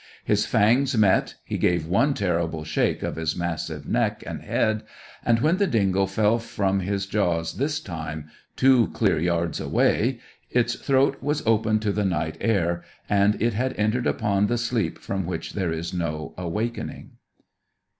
His fangs met, he gave one terrible shake of his massive neck and head, and when the dingo fell from his jaws this time, two clear yards away, its throat was open to the night air, and it had entered upon the sleep from which there is no awakening.